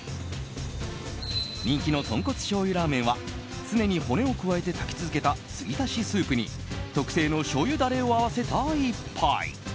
人気の豚骨しょうゆラーメンは常に骨を加えて炊き続けた継ぎ足しスープに特製のしょうゆダレを合わせた一杯。